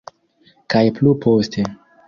Kaj plu poste.